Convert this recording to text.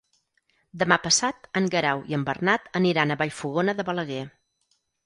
Demà passat en Guerau i en Bernat aniran a Vallfogona de Balaguer.